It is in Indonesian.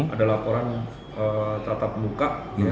ada laporan tatap muka